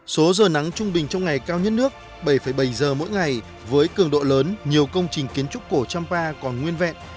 số giờ nắng trung bình trong ngày cao nhất nước bảy bảy giờ mỗi ngày với cường độ lớn nhiều công trình kiến trúc cổ trăm pa còn nguyên vẹn